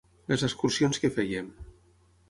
Les excursions que fèiem.